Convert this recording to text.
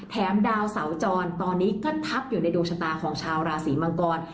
ดาวเสาจรตอนนี้ก็ทับอยู่ในดวงชะตาของชาวราศีมังกร